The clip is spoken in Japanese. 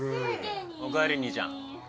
おかえり兄ちゃん。